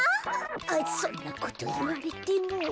あそんなこといわれても。